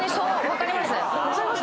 分かります？